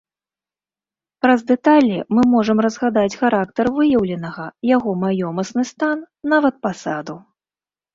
Праз дэталі мы можам разгадаць характар выяўленага, яго маёмасны стан, нават пасаду.